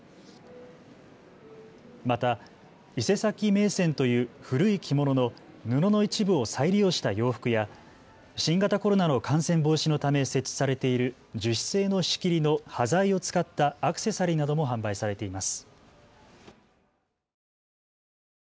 また伊勢崎銘仙という古い着物の布の一部を再利用した洋服や新型コロナの感染防止のため設置されている樹脂製の仕切りの端材を使ったアクセサリーなども販売されています。